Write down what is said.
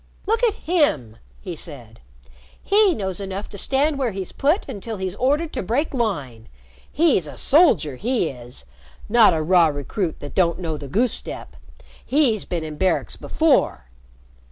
"Look at him!" he said. "He knows enough to stand where he's put until he's ordered to break line. He's a soldier, he is not a raw recruit that don't know the goose step. He's been in barracks before."